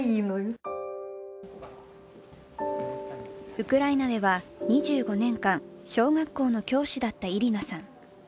ウクライナでは２５年間、小学校の教師だったイリナさん。